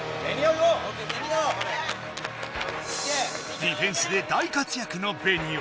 ディフェンスで大活躍のベニオ。